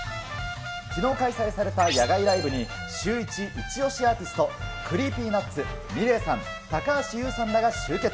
きのうかいさいされた野外ライブに、シューイチイチオシアーティスト、クリーピーナッツ、ｍｉｌｅｔさん、高橋優さんらが集結。